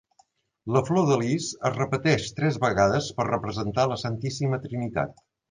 La flor de lis es repeteix tres vegades per representar a la Santíssima Trinitat.